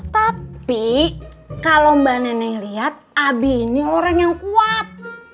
tapi kalau mbak nenek lihat abi ini orang yang kuat